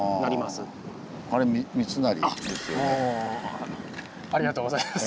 もうありがとうございます。